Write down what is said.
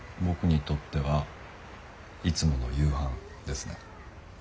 僕にとってはいつもの夕飯ですね。